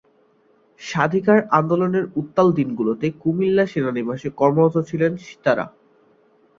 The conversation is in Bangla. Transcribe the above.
স্বাধিকার আন্দোলনের উত্তাল দিনগুলোতে কুমিল্লা সেনানিবাসে কর্মরত ছিলেন সিতারা।।